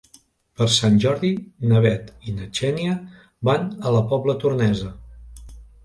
Per Sant Jordi na Bet i na Xènia van a la Pobla Tornesa.